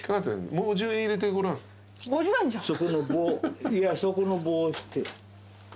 そこの棒いやそこの棒を押して。